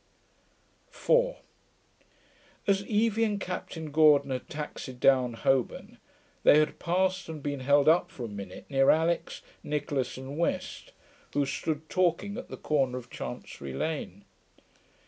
4 As Evie and Captain Gordon had taxied down Holborn, they had passed, and been held up for a minute near Alix, Nicholas, and West, who stood talking at the corner of Chancery Lane.